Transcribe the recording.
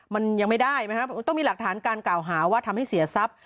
มันยังไม่ได้นะครับต้องมีหลักฐานการกล่าวหาว่าทำให้เสียทรัพย์